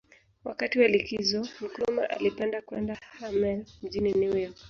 Wakati wa likizo Nkrumah alipenda kwenda Harlem mjini New York